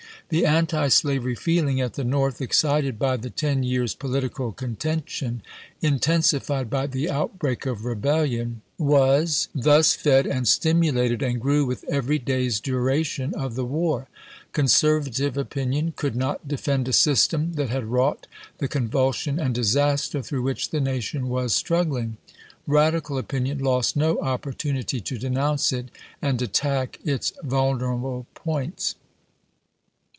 The antislavery feeling at the North, excited by the ten years' political conten tion, intensified by the outbreak of rebellion, was GENEKAL DAVID HUNTEK. SIGNS OF THE TIMES 97 thus fed and stimulated, and grew with every day's chap. v. duration of the war. Conservative opinion could not defend a system that had wrought the convul sion and disaster through which the nation was struggling. Radical opinion lost no opportunity to denounce it and attack its vulnerable points.